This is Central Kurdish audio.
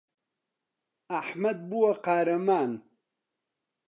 ئەحمەد بووە قارەمان.